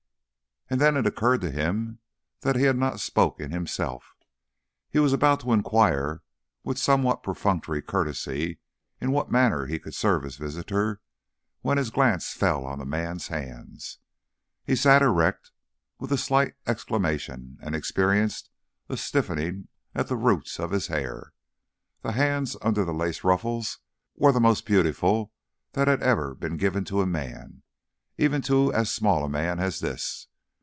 And then it occurred to him that he had not spoken, himself. He was about to inquire with somewhat perfunctory courtesy in what manner he could serve his visitor, when his glance fell on the man's hands. He sat erect with a slight exclamation and experienced a stiffening at the roots of his hair. The hands under the lace ruffles were the most beautiful that ever had been given to a man, even to as small a man as this.